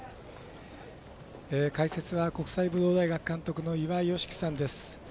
解説は国際武道大学監督の岩井美樹さんです。